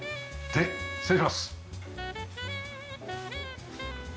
で失礼します。